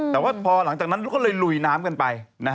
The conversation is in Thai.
แต่ว่าพอหลังจากนั้นก็เลยลุยน้ำกันไป